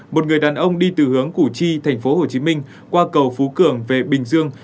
một người đàn ông đi từ hướng củ chi thành phố hồ chí minh qua cầu phú cường về bình dương